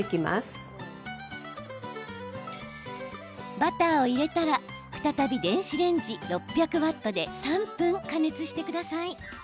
バターを入れたら再び電子レンジ６００ワットで３分、加熱してください。